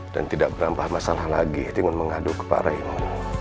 dan tidak berampah masalah lagi tinggal mengadu keparainmu